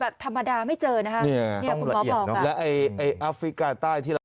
แบบธรรมดาไม่เจอนะครับเนี่ยแล้วไอไออาฟริกาใต้ที่